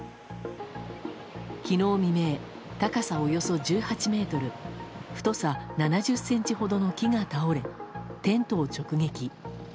昨日未明、高さおよそ１８ｍ太さ７０ｃｍほどの木が倒れテントを直撃。